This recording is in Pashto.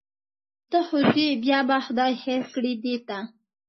ته خو ځې بیا به خدای خیر کړي دې ته.